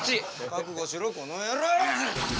覚悟しろこの野郎！